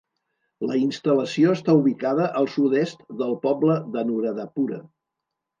La instal·lació està ubicada al sud-est del poble d'Anuradhapura.